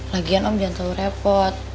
lagian om jangan terlalu repot